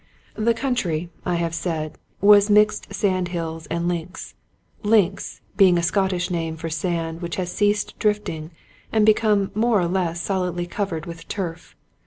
The country, I have said, was mixed sand hill and links ; links being a Scottish name for sand which has ceased drift ing and become more or less solidly covered with turf.